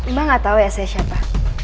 mbak gak tau ya saya siapa